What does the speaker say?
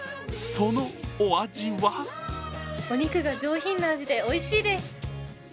そのお味はお肉が上品な味で、おいしいです。